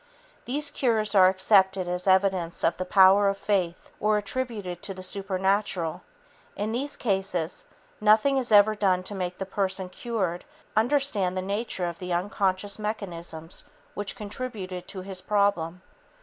These cures are accepted as evidence of the power of faith or attributed to the super natural. In these cases, nothing is ever done to make the person cured understand the nature of the unconscious mechanisms which contributed to his problem.